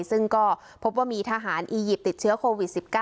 ซึ่งก็พบว่ามีทหารอียิปต์ติดเชื้อโควิด๑๙